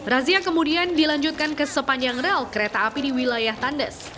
razia kemudian dilanjutkan kesepanjang rel kereta api di wilayah tandas